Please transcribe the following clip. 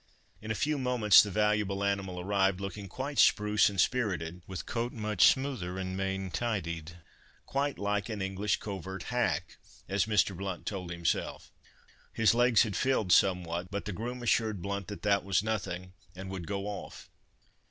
In a few moments the valuable animal arrived, looking quite spruce and spirited, with coat much smoother and mane tidied; quite like an English covert hack, as Mr. Blount told himself. His legs had filled somewhat, but the groom assured Blount that that was nothing, and would go off.